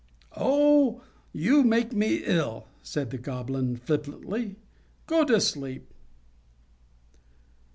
_ "Oh! you make me ill!" said the Goblin, flippantly. "Go to sleep."